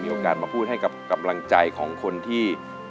โอกาสมาพูดให้กับกำลังใจของคนที่